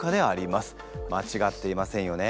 間違っていませんよね？